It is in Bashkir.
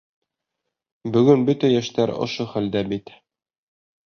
Бөгөн бөтә йәштәр ошо хәлдә бит.